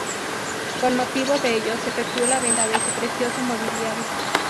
Con motivo de ello se efectuó la venta de su precioso mobiliario.